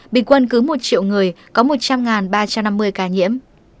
bình quân cứ một triệu người có một trăm linh ba trăm năm mươi ca nhiễm